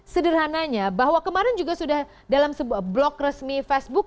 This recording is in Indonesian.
sederhananya bahwa kemarin juga sudah dalam sebuah blog resmi facebook